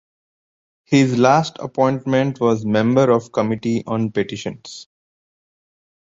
His last appointment was member of Committee on Petitions.